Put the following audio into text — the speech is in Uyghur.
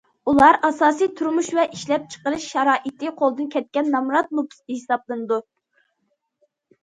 ئۇلار ئاساسىي تۇرمۇش ۋە ئىشلەپچىقىرىش شارائىتى قولدىن كەتكەن نامرات نوپۇس ھېسابلىنىدۇ.